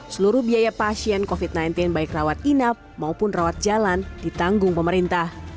seluruh biaya pasien covid sembilan belas baik rawat inap maupun rawat jalan ditanggung pemerintah